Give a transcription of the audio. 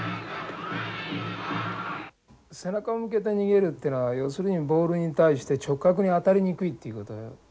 背中を向けて逃げるっていうのは要するにボールに対して直角に当たりにくいっていうこと。